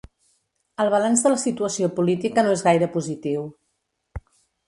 El balanç de la situació política no és gaire positiu.